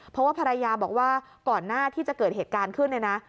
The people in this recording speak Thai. เพราะว่าภรรยาบอกว่าก่อนหน้าที่จะเกิดเหตุการณ์ขึ้นเนี่ยนะ